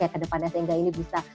ke depannya sehingga ini bisa